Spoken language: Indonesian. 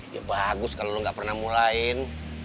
ya bagus kalo lo gak pernah mulain